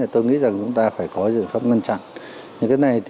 tôi nghĩ chúng ta phải có dự phép ngăn chặn